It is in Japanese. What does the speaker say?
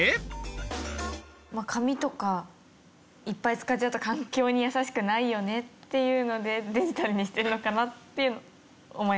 紙とかいっぱい使っちゃうと環境に優しくないよねっていうのでデジタルにしてるのかなって思います。